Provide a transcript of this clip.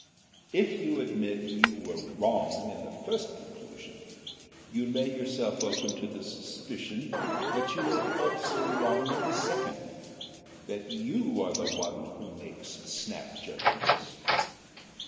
If you admit you were wrong in the first conclusion, you lay yourself open to the suspicion that you are also wrong in the second that you are one who makes snap judgments.